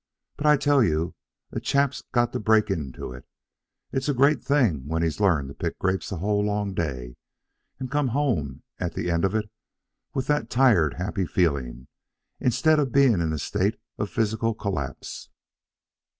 But I tell you a chap's got to break in to it. It's a great thing when he's learned to pick grapes a whole long day and come home at the end of it with that tired happy feeling, instead of being in a state of physical collapse.